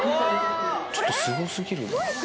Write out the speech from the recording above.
ちょっとすご過ぎるな。